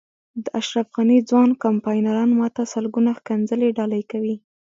د اشرف غني ځوان کمپاینران ما ته سلګونه ښکنځلې ډالۍ کوي.